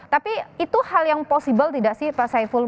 tapi itu hal yang possible tidak sih pak saiful